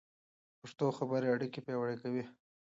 پښتو خبرې اړیکې پیاوړې کوي.